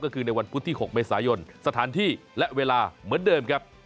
ก็คือในวันพุธที่๖เมษายนสถานที่และเวลาเหมือนเดิมครับ